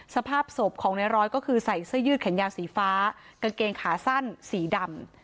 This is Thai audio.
สภาพศพของในร้อยก็คือใส่เสื้อยืดแขนยาวสีฟ้ากางเกงขาสั้นสีดำ